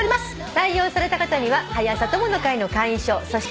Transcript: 採用された方には「はや朝友の会」の会員証そして。